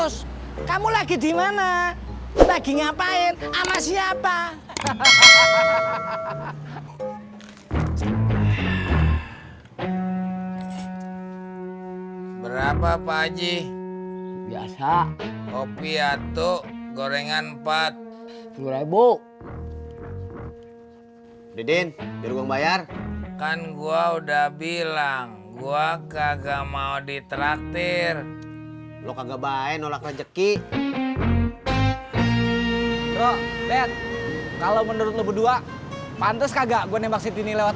sampai jumpa di video selanjutnya